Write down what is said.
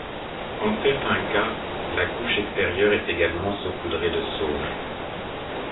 En certains cas, la couche extérieure est également saupoudrée de sauge.